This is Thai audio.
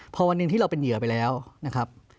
พอวันหนึ่งที่เราเป็นเหยื่อไปแล้วนะครับ